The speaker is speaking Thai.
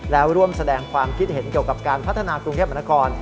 แล้วร่วมแสดงความคิดเห็นเกี่ยวกับการพัฒนากรุงเทพมนาคม